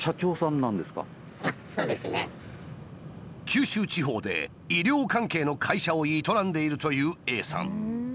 九州地方で医療関係の会社を営んでいるというＡさん。